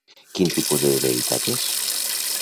Quin tipus de deïtat és?